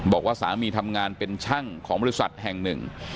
บอกว่าสามีทำงานเป็นช่างของบริษัทแห่งหนึ่ง